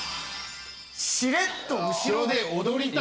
しれっと後ろで踊りたい。